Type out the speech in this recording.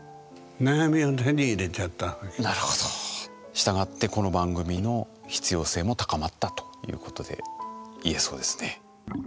したがってこの番組の必要性も高まったということで言えそうですね。